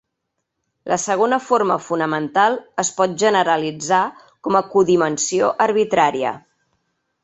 La segona forma fonamental es pot generalitzar com a codimensió arbitrària.